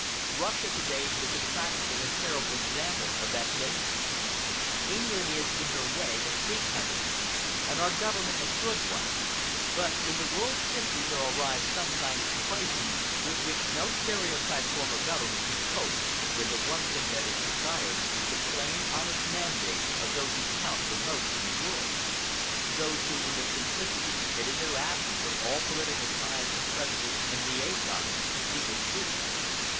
Russia to day is a practical and terrible example of that danger. England is, in her way, a free country, and our Government a good one, but in the world's history there arrive sometimes crises with which no stereotyped form of government can cope, when the one thing that is desired is the plain, honest mandate of those who count for most in the world, those who, in their simplicity and in their absence from all political ties and precedents and liaisons, see the truth.